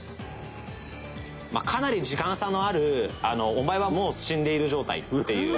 「かなり時間差のある“お前はもう死んでいる”状態っていう」